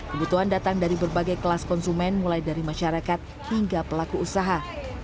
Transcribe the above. kebutuhan datang dari berbagai kelas konsumen mulai dari masyarakat hingga pelaku usaha